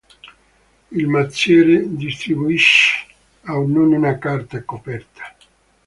Il mazziere distribuisce a ognuno una carta, coperta.